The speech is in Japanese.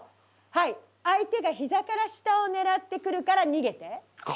はい相手が膝から下を狙ってくるから逃げて。